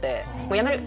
やめる！